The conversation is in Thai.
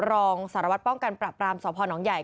รองสารวัตรป้องกันปรับรามสพนใหญ่